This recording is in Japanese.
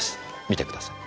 見てください。